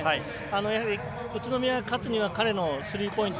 やはり宇都宮が勝つには彼のスリーポイント。